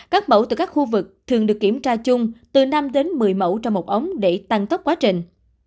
các mẫu từ các khu vực thường được kiểm tra chung từ năm đến một mươi mẫu trong một ống để tăng tốc quá trình